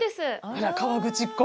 あら川口っ子！